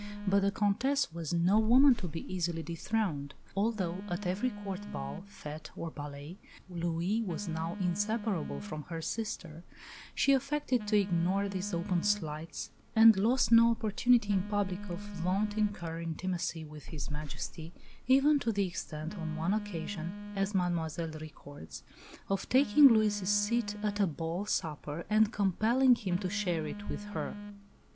But the Comtesse was no woman to be easily dethroned. Although at every Court ball, fête, or ballet, Louis was now inseparable from her sister, she affected to ignore these open slights and lost no opportunity in public of vaunting her intimacy with His Majesty, even to the extent on one occasion, as Mademoiselle records, of taking Louis' seat at a ball supper and compelling him to share it with her.